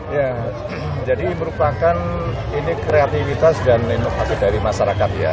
ya jadi merupakan ini kreativitas dan inovatif dari masyarakat ya